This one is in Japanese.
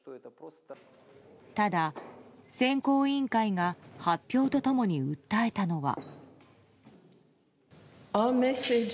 ただ、選考委員会が発表と共に訴えたのは。